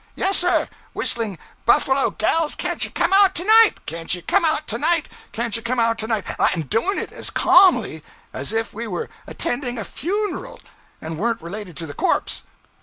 Yes, sir; whistling "Buffalo gals, can't you come out tonight, can't you come out to night, can't you come out to night;" and doing it as calmly as if we were attending a funeral and weren't related to the corpse.